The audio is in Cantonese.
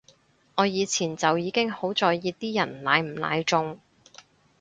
我以前就已經好在意啲人奶唔奶中